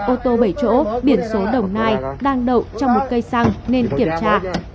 ô tô bảy chỗ biển số đồng nai đang đậu trong một cây xăng nên kiểm tra